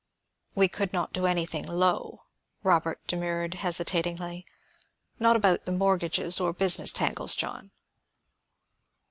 "We could not do anything low," Robert demurred hesitatingly. "Not about the mortgages or business tangles, John."